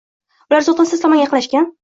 Ular uzoqdan siz tomon yaqinlashgan